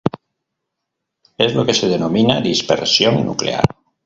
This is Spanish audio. Es lo que se denomina dispersión nuclear.